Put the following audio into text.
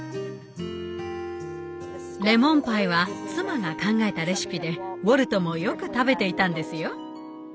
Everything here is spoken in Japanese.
レモンパイは妻が考えたレシピでウォルトもよく食べていたんですよ。